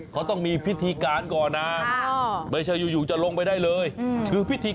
เขาต้องมีพิธีการก่อนนะไม่ใช่อยู่จะลงไปได้เลยคือพิธี